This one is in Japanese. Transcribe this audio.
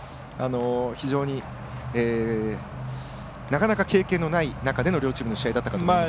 非常になかなか経験がない中での両チームの試合だったと思います。